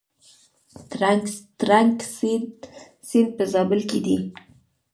ترنک سیند په زابل کې دی؟